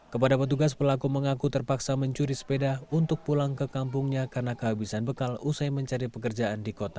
kepada petugas pelaku mengaku terpaksa mencuri sepeda untuk pulang ke kampungnya karena kehabisan bekal usai mencari pekerjaan di kota